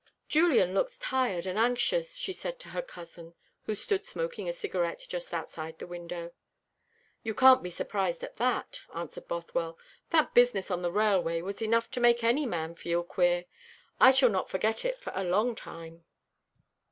"Julian looks tired and anxious," she said to her cousin, who stood smoking a cigarette just outside the window. "You can't be surprised at that," answered Bothwell. "That business on the railway was enough to make any man feel queer. I shall not forget it for a long time."